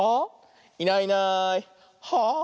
「いないいないはあ？」。